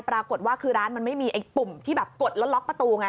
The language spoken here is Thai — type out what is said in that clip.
ปรากฏว่าคือร้านมันไม่มีไอ้ปุ่มที่แบบกดแล้วล็อกประตูไง